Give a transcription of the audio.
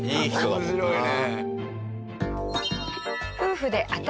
面白いね！